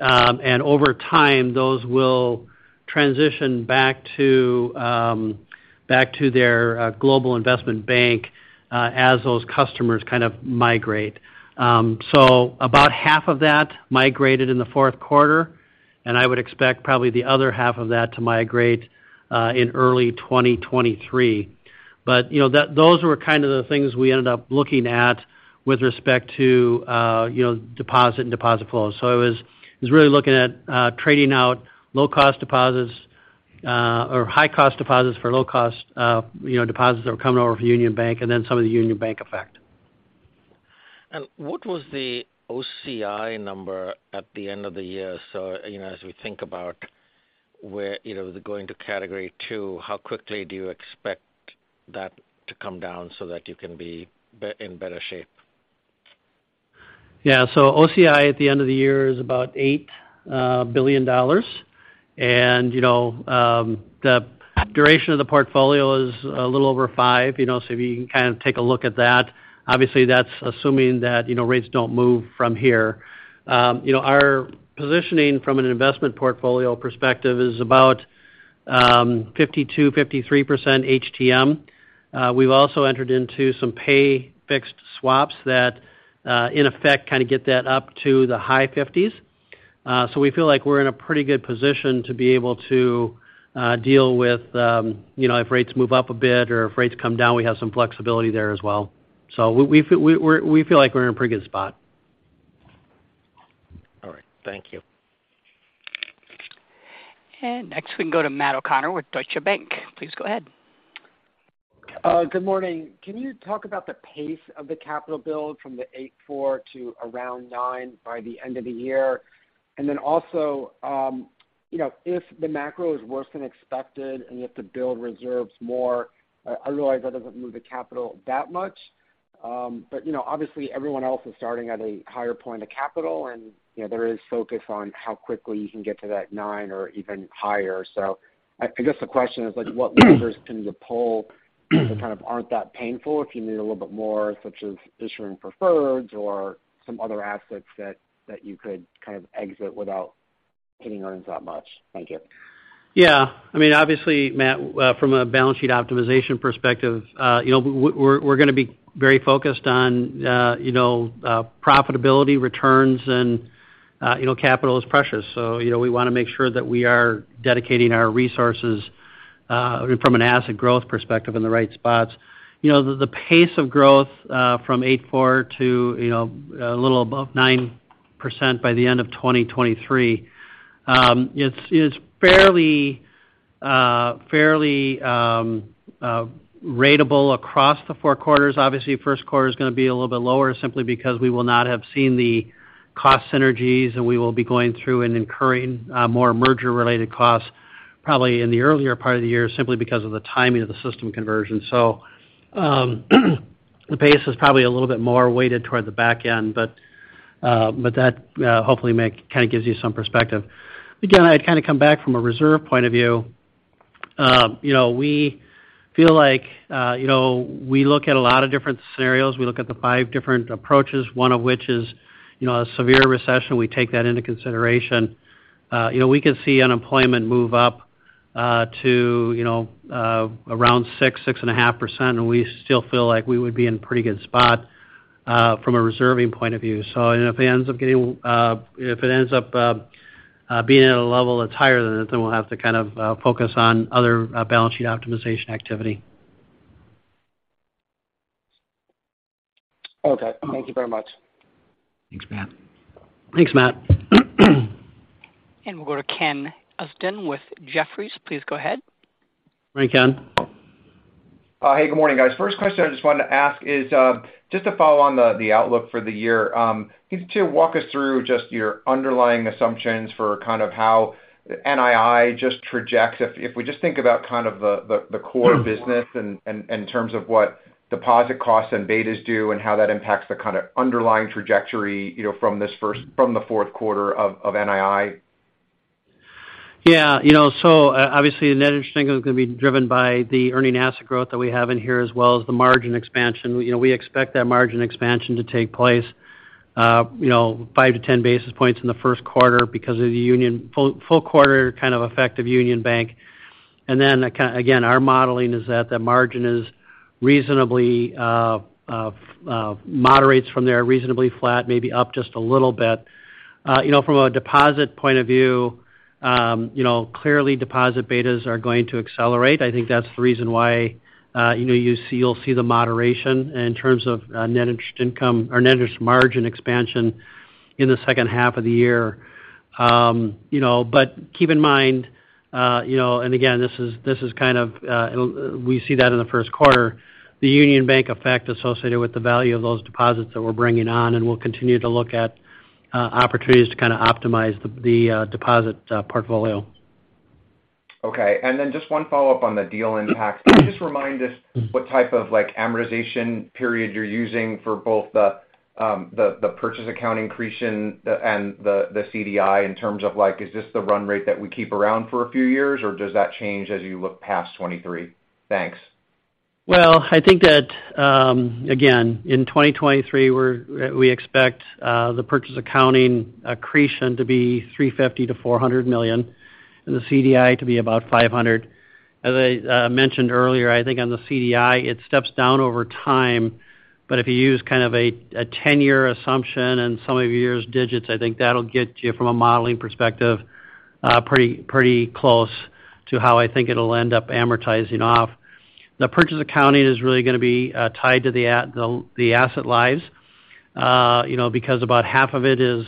Over time, those will transition back to their global investment bank as those customers kind of migrate. About half of that migrated in the fourth quarter, and I would expect probably the other half of that to migrate in early 2023. You know, those were kind of the things we ended up looking at with respect to, you know, deposit and deposit flows. It was really looking at trading out low cost deposits or high cost deposits for low cost, you know, deposits that were coming over from Union Bank and then some of the Union Bank effect. What was the OCI number at the end of the year? You know, as we think about where, you know, going to Category II, how quickly do you expect that to come down so that you can be in better shape? Yeah. OCI at the end of the year is about $8 billion. you know, the duration of the portfolio is a little over 5, you know, if you can kind of take a look at that. Obviously, that's assuming that, you know, rates don't move from here. you know, our positioning from an investment portfolio perspective is about 52%-53% HTM. We've also entered into some pay-fixed swaps that, in effect, kinda get that up to the high fifties. We feel like we're in a pretty good position to be able to deal with, you know, if rates move up a bit or if rates come down, we have some flexibility there as well. We feel like we're in a pretty good spot. All right. Thank you. Next we can go to Matt O'Connor with Deutsche Bank. Please go ahead. Good morning. Can you talk about the pace of the capital build from the 8.4% to around 9% by the end of the year? Also, you know, if the macro is worse than expected and you have to build reserves more, I realize that doesn't move the capital that much. you know, obviously everyone else is starting at a higher point of capital and, you know, there is focus on how quickly you can get to that 9 or even higher. I guess the question is like what levers can you pull that kind of aren't that painful if you need a little bit more, such as issuing preferreds or some other assets that you could kind of exit without hitting earnings that much? Thank you. Yeah. I mean, obviously, Matt, from a balance sheet optimization perspective, you know, we're gonna be very focused on, you know, profitability returns and, you know, capital is precious. You know, we wanna make sure that we are dedicating our resources from an asset growth perspective in the right spots. You know, the pace of growth from 84 to, you know, a little above 9% by the end of 2023, it's fairly ratable across the 4 quarters. Obviously, first quarter is gonna be a little bit lower simply because we will not have seen the cost synergies, and we will be going through and incurring more merger-related costs probably in the earlier part of the year simply because of the timing of the system conversion. The pace is probably a little bit more weighted toward the back end, but that hopefully kind of gives you some perspective. Again, I'd kind of come back from a reserve point of view. You know, we feel like, you know, we look at a lot of different scenarios. We look at the five different approaches, one of which is, you know, a severe recession. We take that into consideration. You know, we could see unemployment move up to, you know, around 6%-6.5%, and we still feel like we would be in pretty good spot from a reserving point of view. You know, if it ends up being at a level that's higher than it, then we'll have to kind of focus on other balance sheet optimization activity. Okay. Thank you very much. Thanks, Matt. We'll go to Ken Usdin with Jefferies. Please go ahead. Hi, Ken. Hey, good morning, guys. First question I just wanted to ask is, just to follow on the outlook for the year. Can you two walk us through just your underlying assumptions for kind of how NII just trajects if we just think about kind of the core business in terms of what deposit costs and betas do and how that impacts the kind of underlying trajectory, you know, from the fourth quarter of NII? Yeah. You know, obviously, net interest income is gonna be driven by the earning asset growth that we have in here as well as the margin expansion. You know, we expect that margin expansion to take place, you know, 5-10 basis points in the first quarter because of the Union full quarter kind of effect of Union Bank. Again, our modeling is that the margin is reasonably moderates from there, reasonably flat, maybe up just a little bit. You know, from a deposit point of view, you know, clearly deposit betas are going to accelerate. I think that's the reason why, you know, you'll see the moderation in terms of net interest income or net interest margin expansion in the second half of the year. You know, keep in mind, you know, again, this is, this is kind of, we see that in the first quarter, the Union Bank effect associated with the value of those deposits that we're bringing on, and we'll continue to look at opportunities to kind of optimize the deposit portfolio. Okay. Just one follow-up on the deal impact. Can you just remind us what type of, like, amortization period you're using for both the purchase accounting accretion and the CDI in terms of, like, is this the run rate that we keep around for a few years, or does that change as you look past 2023? Thanks. I think that, again, in 2023, we're, we expect, the purchase accounting accretion to be $350 million-$400 million, and the CDI to be about $500 million. As I mentioned earlier, I think on the CDI, it steps down over time. If you use kind of a 10-year assumption and sum-of-the-years'-digits, I think that'll get you from a modeling perspective, pretty close to how I think it'll end up amortizing off. The purchase accounting is really gonna be tied to the asset lives. You know, because about half of it is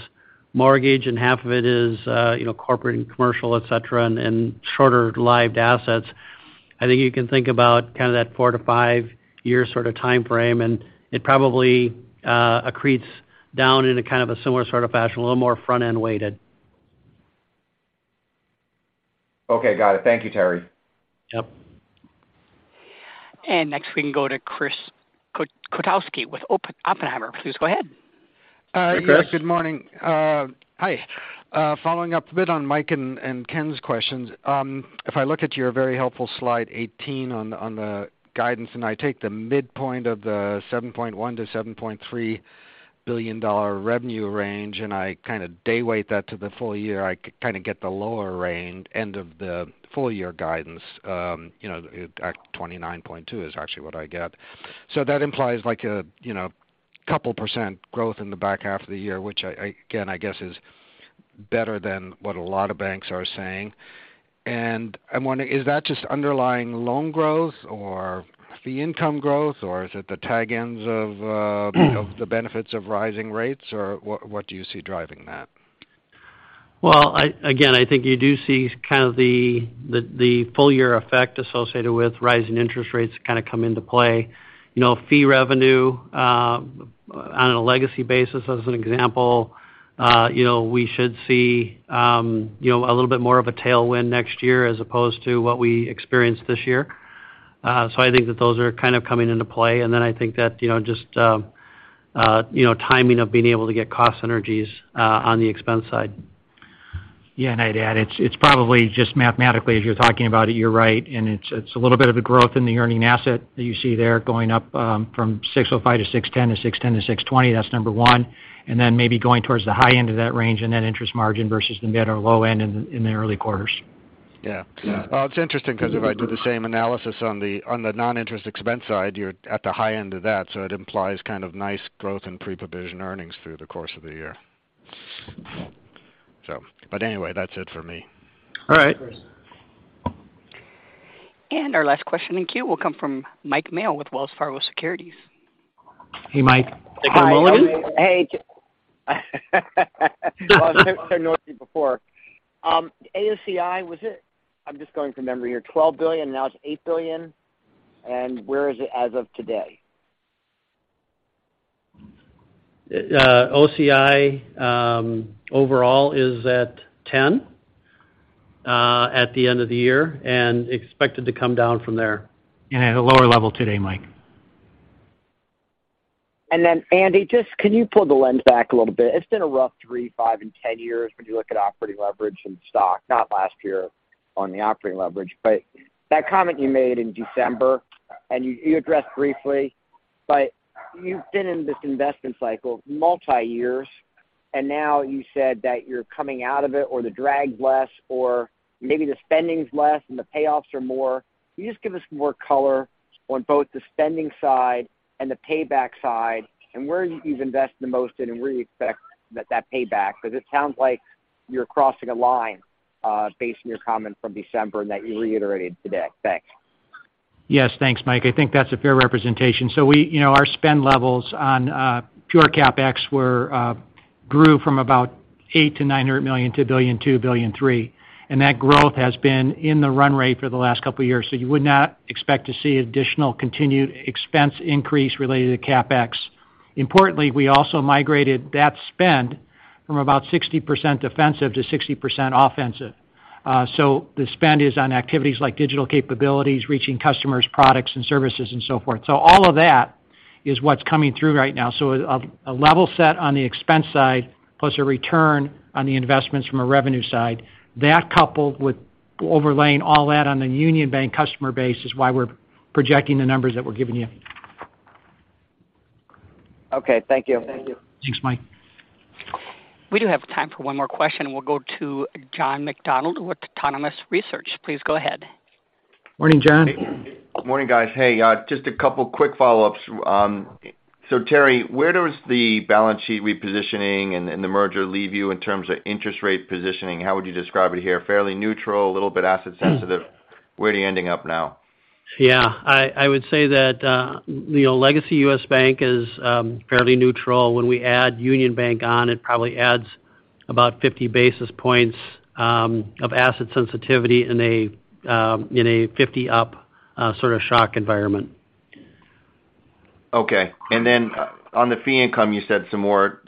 mortgage and half of it is, you know, corporate and commercial, et cetera, and shorter lived assets. I think you can think about kind of that 4-5-year sort of timeframe, and it probably accretes down in a kind of a similar sort of fashion, a little more front-end weighted. Okay. Got it. Thank you, Terry. Yep. Next we can go to Chris Kotowski with Oppenheimer. Please go ahead. Hey, Chris. Yes, good morning. Hi. Following up a bit on Mike and Ken's questions. If I look at your very helpful slide 18 on the guidance, and I take the midpoint of the $7.1 billion-$7.3 billion revenue range, and I kind of day weight that to the full year, I kind of get the lower range end of the full year guidance. You know, at $29.2 is actually what I get. That implies like a, you know, couple % growth in the back half of the year, which I again, I guess is better than what a lot of banks are saying. I'm wondering, is that just underlying loan growth or fee income growth, or is it the tag ends of, you know, the benefits of rising rates, or what do you see driving that? Well, I, again, I think you do see kind of the full year effect associated with rising interest rates kind of come into play. You know, fee revenue, on a legacy basis as an example, you know, we should see, you know, a little bit more of a tailwind next year as opposed to what we experienced this year. I think that those are kind of coming into play. Then I think that, you know, just, you know, timing of being able to get cost synergies, on the expense side. Yeah. I'd add, it's probably just mathematically, as you're talking about it, you're right. It's a little bit of the growth in the earning asset that you see there going up, from $605 to $610 to $610 to $620. That's number one. Then maybe going towards the high end of that range and net interest margin versus the mid or low end in the early quarters. Yeah. Yeah. Well, it's interesting because if I do the same analysis on the non-interest expense side, you're at the high end of that, it implies kind of nice growth in pre-provision earnings through the course of the year. But anyway, that's it for me. All right. Thanks. Our last question in queue will come from Mike Mayo with Wells Fargo Securities. Hey, Mike. Hey, Mike. Hi. naughty before. AOCI $12 billion, now it's $8 billion. Where is it as of today? OCI, overall is at 10, at the end of the year and expected to come down from there. At a lower level today, Mike. Andy, just can you pull the lens back a little bit? It's been a rough 3, 5 and 10 years when you look at operating leverage and stock, not last year on the operating leverage. That comment you made in December, and you addressed briefly, but you've been in this investment cycle multi years, and now you said that you're coming out of it, or the drag's less, or maybe the spending's less and the payoffs are more. Can you just give us some more color on both the spending side and the payback side and where you've invested the most and where you expect that payback? Because it sounds like you're crossing a line, based on your comment from December and that you reiterated today. Thanks. Yes. Thanks, Mike. I think that's a fair representation. We, you know, our spend levels on pure CapEx were grew from about $800 million-$900 million to $1.2 billion, $1.3 billion. That growth has been in the run rate for the last couple of years. You would not expect to see additional continued expense increase related to CapEx. Importantly, we also migrated that spend from about 60% defensive to 60% offensive. The spend is on activities like digital capabilities, reaching customers, products and services and so forth. All of that is what's coming through right now. A level set on the expense side plus a return on the investments from a revenue side. That coupled with overlaying all that on the Union Bank customer base is why we're projecting the numbers that we're giving you. Okay. Thank you. Thanks, Mike. We do have time for one more question. We'll go to John McDonald with Autonomous Research. Please go ahead. Morning, John. Morning, guys. Hey, just a couple quick follow-ups. Terry, where does the balance sheet repositioning and the merger leave you in terms of interest rate positioning? How would you describe it here? Fairly neutral, a little bit asset sensitive? Where are you ending up now? Yeah. I would say that, you know, legacy U.S. Bank is fairly neutral. When we add Union Bank on, it probably adds about 50 basis points of asset sensitivity in a in a 50 up sort of shock environment. Okay. On the fee income, you said some more,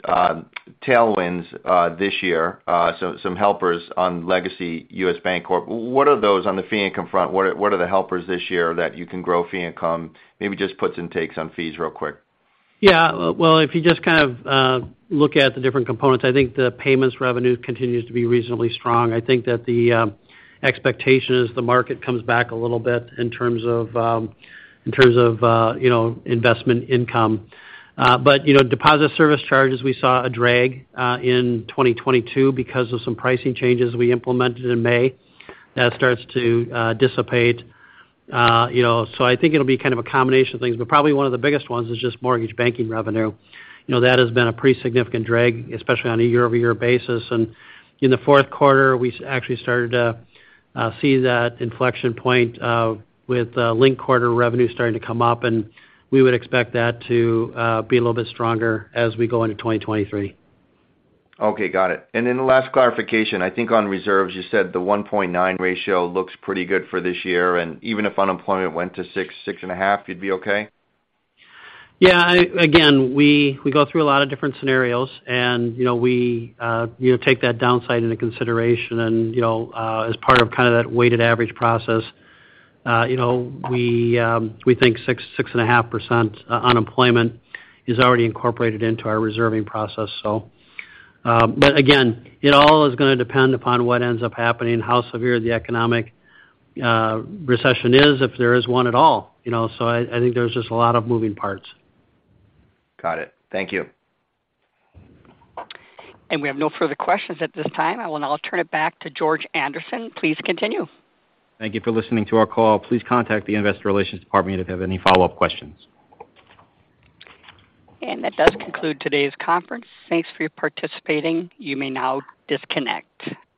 tailwinds, this year, so some helpers on legacy U.S. Bancorp. What are those on the fee income front? What are the helpers this year that you can grow fee income? Maybe just puts and takes on fees real quick. Yeah. Well, if you just kind of look at the different components, I think the payments revenue continues to be reasonably strong. I think that the expectation is the market comes back a little bit in terms of in terms of, you know, investment income. But you know, deposit service charges, we saw a drag in 2022 because of some pricing changes we implemented in May. That starts to dissipate, you know. I think it'll be kind of a combination of things, but probably one of the biggest ones is just mortgage banking revenue. You know, that has been a pretty significant drag, especially on a year-over-year basis. In the fourth quarter, we actually started to see that inflection point with link quarter revenue starting to come up, and we would expect that to be a little bit stronger as we go into 2023. Okay, got it. The last clarification, I think on reserves, you said the 1.9 ratio looks pretty good for this year, and even if unemployment went to 6%, 6.5%, you'd be okay? Yeah. Again, we go through a lot of different scenarios, and you know, we, you know, take that downside into consideration. You know, as part of kind of that weighted average process, you know, we think 6.5% unemployment is already incorporated into our reserving process. But again, it all is going to depend upon what ends up happening, how severe the economic recession is, if there is one at all. You know, I think there's just a lot of moving parts. Got it. Thank you. We have no further questions at this time. I will now turn it back to George Anderson. Please continue. Thank you for listening to our call. Please contact the investor relations department if you have any follow-up questions. That does conclude today's conference. Thanks for participating. You may now disconnect.